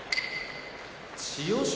千代翔